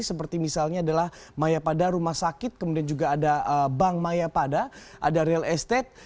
seperti misalnya adalah mayapada rumah sakit kemudian juga ada bank mayapada ada real estate